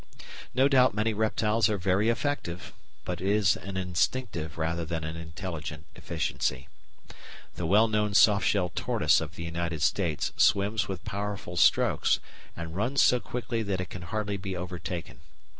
No doubt many reptiles are very effective; but it is an instinctive rather than an intelligent efficiency. The well known "soft shell" tortoise of the United States swims with powerful strokes and runs so quickly that it can hardly be overtaken.